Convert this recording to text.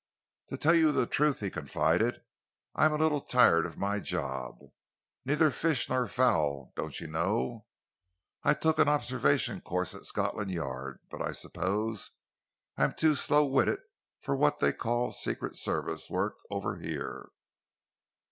"To tell you the truth," he confided, "I am a little tired of my job. Neither fish nor fowl, don't you know. I took an observation course at Scotland Yard, but I suppose I am too slow witted for what they call secret service work over here."